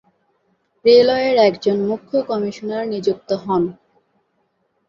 রেলওয়ের একজন মুখ্য কমিশনার নিযুক্ত হন।